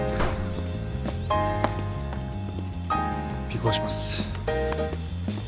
尾行します。